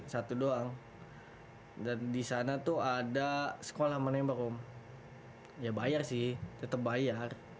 satu doang dan disana tuh ada sekolah menembak om ya bayar sih tetep bayar